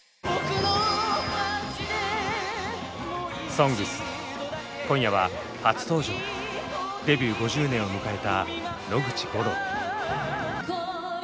「ＳＯＮＧＳ」今夜は初登場デビュー５０年を迎えた野口五郎。